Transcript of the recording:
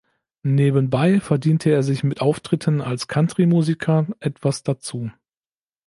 Nebenbei verdiente er sich mit Auftritten als Country-Musiker etwas dazu.